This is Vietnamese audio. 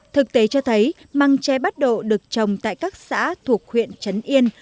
thực tế cho thấy măng tre bát độ được trồng tại các xã thuộc huyện trấn yên